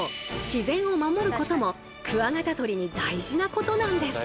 自然を守ることもクワガタ捕りに大事なことなんです。